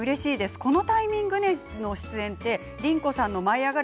このタイミングでの出演で倫子さんの「舞いあがれ！」